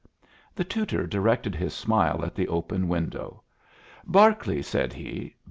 The tutor directed his smile at the open window. "Berkeley " said he.